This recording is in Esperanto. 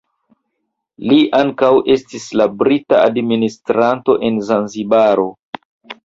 Li ankaŭ estis la brita administranto en Zanzibaro.